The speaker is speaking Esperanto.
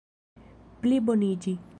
pliboniĝi